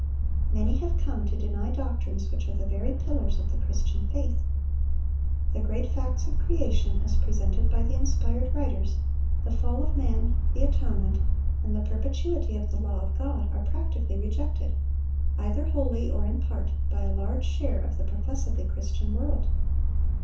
Many have come to deny doctrines which are the very pillars of the Christian faith. The great facts of creation as presented by the inspired writers, the fall of man, the atonement, and the perpetuity of the law of God, are practically rejected, either wholly or in part, by a large share of the professedly Christian world.